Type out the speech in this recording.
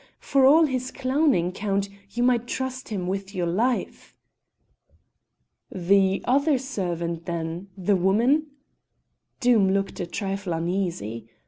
For all his clowning, Count, you might trust him with your life." "The other servant then the woman?" Doom looked a trifle uneasy.